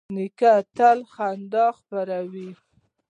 نیکه تل خندا خپروي.